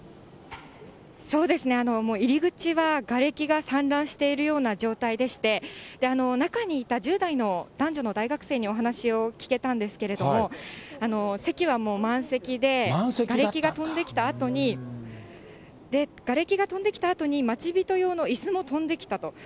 そうですね、もう入り口はがれきが散乱しているような状態でして、中にいた１０代の男女の大学生にお話を聞けたんですけれども、席はもう満席で、がれきが飛んできたあとに、待ち人用のいすも飛んできたと。